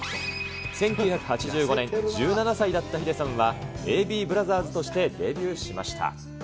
１９８５年、１７歳だったヒデさんは、ＡＢブラザーズとしてデビューしました。